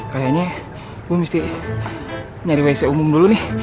kayaknya gue mesti nyari wc umum dulu nih